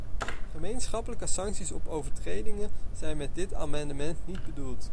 Gemeenschappelijke sancties op overtredingen zijn met dit amendement niet bedoeld.